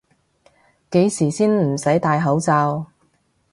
幾時先唔使戴口罩？